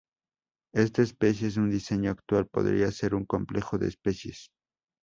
Esta especie en su diseño actual podría ser un complejo de especies.